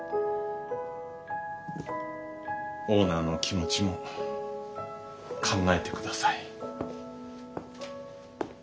オーナーの気持ちも考えてください。